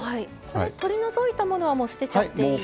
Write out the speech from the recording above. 取り除いたものはもう捨てちゃっていいですか？